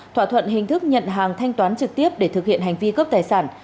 thỏa thuận hình thức nhận hàng thanh toán trực tiếp để thực hiện hành vi cướp tài sản